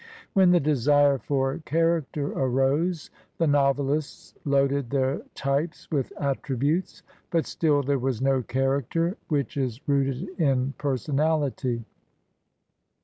When the desire for character arose, the novelists loaded their types with attributes ; but still there was no character, which is rooted in personaUty.